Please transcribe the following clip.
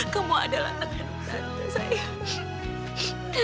kamu adalah anak gandung tante sayang